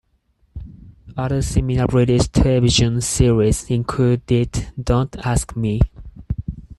Other similar British television series included "Don't Ask Me".